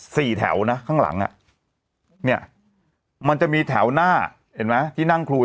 สี่แถวนะข้างหลังอ่ะเนี่ยมันจะมีแถวหน้าเห็นไหมที่นั่งคุย